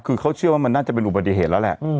คือเขาเชื่อว่ามันน่าจะเป็นอุบัติเหตุแล้วแหละ